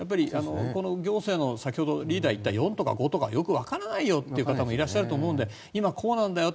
行政の、先ほどリーダーが言った４とか５とかよくわからないよという方もいらっしゃると思うので今、こうなんだよって。